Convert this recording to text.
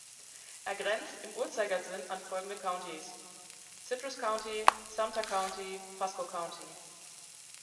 Es grenzt im Uhrzeigersinn an folgende Countys: Citrus County, Sumter County, Pasco County.